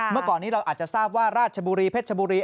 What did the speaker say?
เมื่อก่อนนี้เราอาจจะทราบว่าราชบุรีเพชรชบุรี